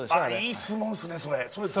いい質問ですね、それ。